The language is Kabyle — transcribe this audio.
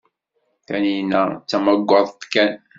Taninna d tamaggadt kan.